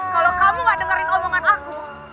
kalau kamu gak dengerin omongan aku